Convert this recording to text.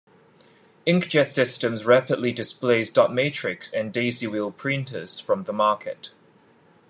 Inkjet systems rapidly displaced dot matrix and daisy wheel printers from the market.